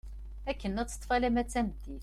Akken ad teṭṭef alamma d tameddit.